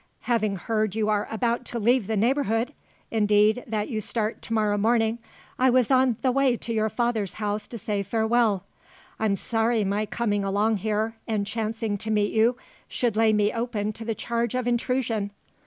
Having heard you are about to leave the neighbourhood indeed, that you start to morrow morning I was on the way to your father's house to say farewell. I'm sorry my coming along here, and chancing to meet you, should lay me open to the charge of intrusion.